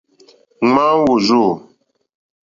Ŋmáá wòrzô.